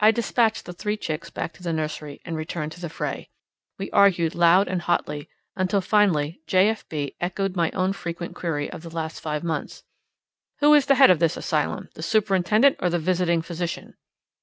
I despatched the three chicks back to the nursery and returned to the fray. We argued loud and hotly, until finally J. F. B. echoed my own frequent query of the last five months: "Who is the head of this asylum, the superintendent or the visiting physician?"